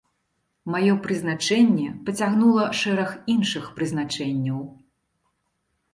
Маё прызначэнне пацягнула шэраг іншых прызначэнняў.